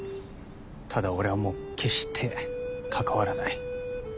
ただ俺はもう決して関わらない。